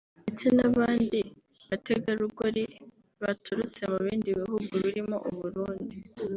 ndetse n’abandi bategarugori baturutse mu bindi bihugu birimo u Burundi